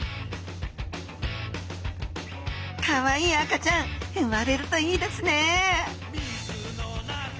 かわいい赤ちゃん産まれるといいですね！